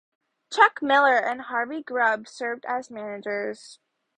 Chuck Miller and Harvey Grubb served as managers.